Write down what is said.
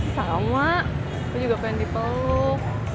sama aku juga pengen dipeluk